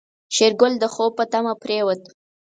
شېرګل د خوب په تمه پرېوت.